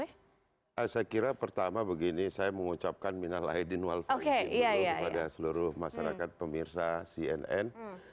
saya kira pertama begini saya mengucapkan minalahidinwalva ini dulu kepada seluruh masyarakat pemirsa cnn